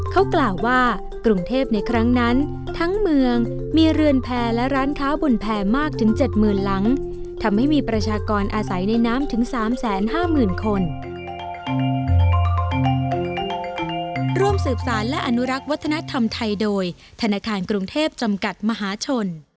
เขากล่าวว่ากรุงเทพในครั้งนั้นทั้งเมืองมีเรือนแพรและร้านค้าบนแพร่มากถึง๗๐๐หลังทำให้มีประชากรอาศัยในน้ำถึง๓๕๐๐๐คน